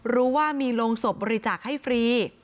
รู้ว่ามีโรงศพบริจาคให้ฟรี